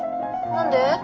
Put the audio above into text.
何で？